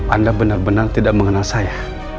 anda benar benar tidak mengenal saya